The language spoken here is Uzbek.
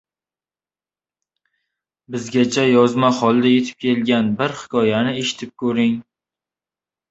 Bizgacha yozma holda yetib kelgan bir hikoyani eshitib ko‘ring.